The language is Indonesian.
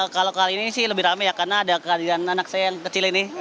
kalau kali ini sih lebih rame ya karena ada kehadiran anak saya yang kecil ini